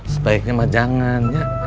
sebaiknya mah jangan ya